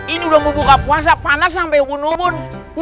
ini udah mau buka puasa panas sampe hunumun